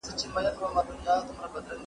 قلمان د زده کوونکي له خوا پاک کيږي؟